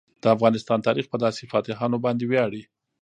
د افغانستان تاریخ په داسې فاتحانو باندې ویاړي.